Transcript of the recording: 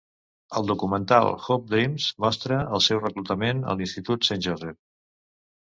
El documental "Hoop Dreams" mostra el seu reclutament a l'institut Saint Joseph.